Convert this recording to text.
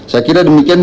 saya kira demikian